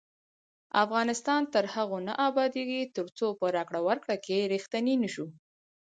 افغانستان تر هغو نه ابادیږي، ترڅو په راکړه ورکړه کې ریښتیني نشو.